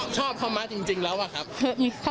ครับคุณแล้วค่ะ